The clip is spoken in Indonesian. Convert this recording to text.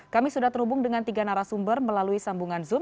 kami sudah terhubung dengan tiga narasumber melalui sambungan zoom